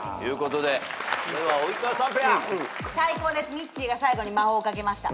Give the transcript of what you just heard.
ミッチーが最後に魔法をかけました。